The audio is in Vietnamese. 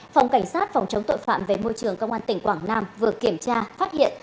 phòng cảnh sát phòng chống tội phạm về môi trường công an tỉnh quảng nam vừa kiểm tra phát hiện